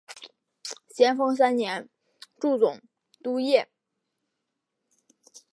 咸丰三年助总督叶名琛雇觅火轮攻剿太平军。